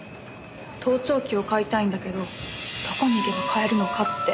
盗聴器を買いたいんだけどどこに行けば買えるのかって。